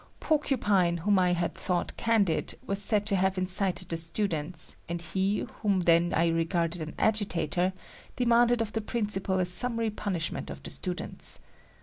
Porcupine whom I had thought candid was said to have incited the students and he whom then I regarded an agitator, demanded of the principal a summary punishment of the students.